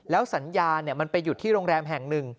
สัญญาณมันไปหยุดที่โรงแรมแห่งหนึ่ง